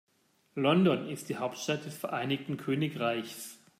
London ist die Hauptstadt des Vereinigten Königreichs.